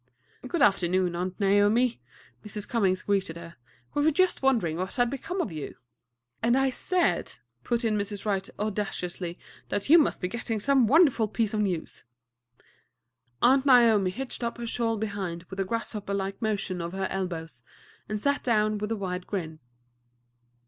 "Good afternoon, Aunt Naomi," Mrs. Cummings greeted her. "We were just wondering what had become of you." "And I said," put in Mrs. Wright audaciously, "that you must be getting some wonderful piece of news." Aunt Naomi hitched up her shawl behind with a grasshopper like motion of her elbows, and sat down with a wide grin.